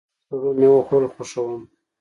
زه د سړو میوو خوړل خوښوم.